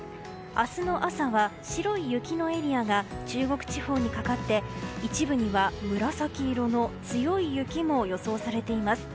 明日の朝は白い雪のエリアが中国地方にかかって一部には紫色の強い雪も予想されています。